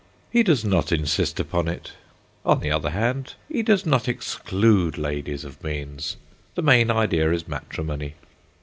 He does not insist upon it; on the other hand he does not exclude ladies of means; the main idea is matrimony.